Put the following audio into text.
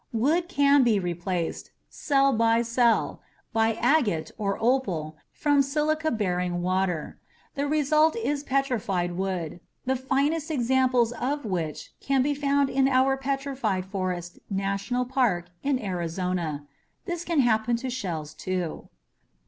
Wood can be replaced cell by cell by agate or opal from silica bearing water. The result is petrified wood, the finest examples of which can be found in our Petrified Forest National Park in Arizona. This can happen to shells, too.